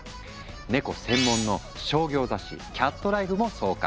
ネコ専門の商業雑誌「キャットライフ」も創刊。